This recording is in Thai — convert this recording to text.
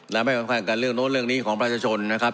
และไม่สำคัญกับเรื่องโน้นเรื่องนี้ของประชาชนนะครับ